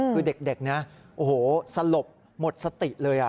คือเด็กนี้โอ้โหสลบหมดสติเลย